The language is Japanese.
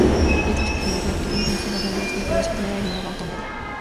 冷凍食品は飛躍的に品質が向上していて、おいしく食べられるものがほとんどだ。